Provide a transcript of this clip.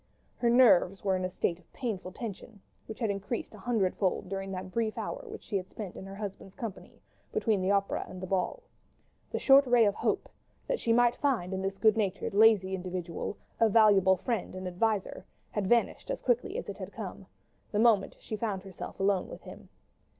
Her nerves were in a state of painful tension, which had increased a hundredfold during that brief hour which she had spent in her husband's company, between the opera and the ball. The short ray of hope—that she might find in this good natured, lazy individual a valuable friend and adviser—had vanished as quickly as it had come, the moment she found herself alone with him.